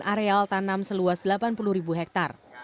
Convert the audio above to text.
pengendalian area tanam seluas delapan puluh hektar